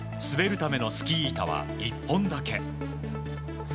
滑るためのスキー板は１本だけ。